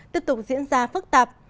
tiếp tục diễn ra phức tạp